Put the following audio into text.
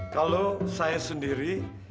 kalau saya sendiri